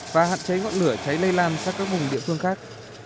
và hạn chế ngọn lửa cháy lây lan sang các vùng địa phương khác